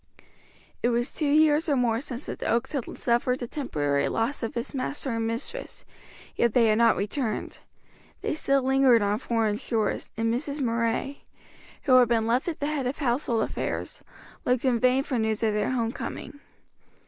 It was two years or more since the Oaks had suffered the temporary loss of its master and mistress, yet they had not returned; they still lingered on foreign shores, and Mrs. Murray, who had been left at the head of household affairs, looked in vain for news of their home coming.